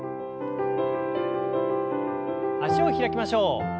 脚を開きましょう。